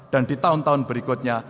dan di tahun tahun berikutnya